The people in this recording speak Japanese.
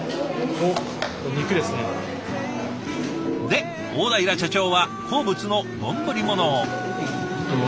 で大平社長は好物の丼物を。